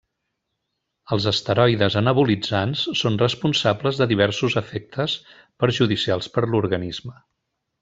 Els esteroides anabolitzants són responsables de diversos efectes perjudicials per a l'organisme.